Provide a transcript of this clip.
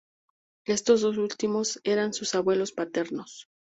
Estos dos últimos eran sus abuelos paternos.